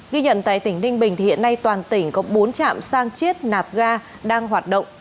ghi nhận tại tỉnh ninh bình thì hiện nay toàn tỉnh có bốn trạm sang chiết nạp ga đang hoạt động